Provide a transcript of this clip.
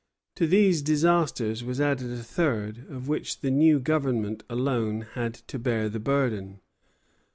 To these disasters was added a third, of which the new Government alone had to bear the burden.